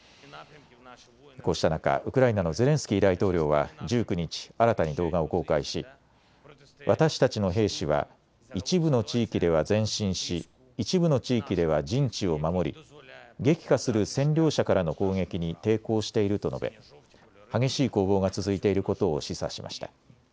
こうした中、ウクライナのゼレンスキー大統領は１９日、新たに動画を公開し私たちの兵士は一部の地域では前進し、一部の地域では陣地を守り、激化する占領者からの攻撃に抵抗していると述べ激しい攻防が続いていることを示唆しました。